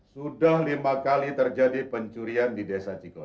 sudah lima kali terjadi pencurian di desa ciko